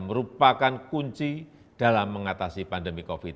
merupakan kunci dalam mengatasi pandemi covid sembilan belas